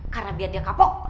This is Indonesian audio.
karena biar dia kapok